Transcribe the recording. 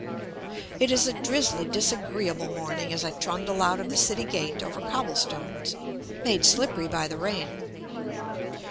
It is a drizzly, disagreeable morning as I trundle out of the city gate over cobble stones, made slippery by the rain.